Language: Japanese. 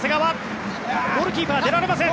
ゴールキーパー出られません。